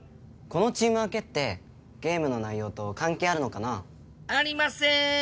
このチーム分けってゲームの内容と関係あるのかな？ありません。